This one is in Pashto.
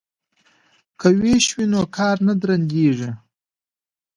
که ویش وي نو کار نه درندیږي.